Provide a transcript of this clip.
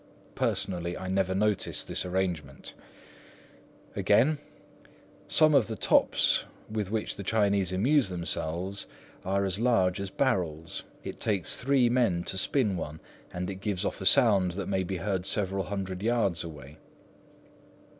Personally, I never noticed this arrangement. Again: "Some of the tops with which the Chinese amuse themselves are as large as barrels. It takes three men to spin one, and it gives off a sound that may be heard several hundred yards away."